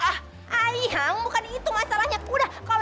ayang bukan itu masalahnya udah kalau dihapus ya